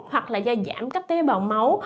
hoặc là do giảm các tế bào máu